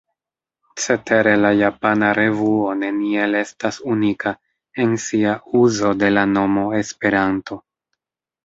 Cetere la japana revuo neniel estas unika en sia uzo de la nomo ”Esperanto”.